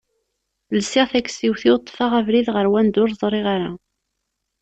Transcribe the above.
lsiɣ takessiwt-iw ṭfeɣ abrid ɣer wanda ur ẓriɣ ara.